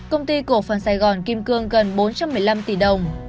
công ty cổ phần sài gòn kim cương gần bốn trăm một mươi năm tỷ đồng